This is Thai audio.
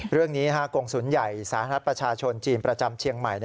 เรื่องนี้กรงศูนย์ใหญ่สาธารณะประชาชนจีนประจำเชียงใหม่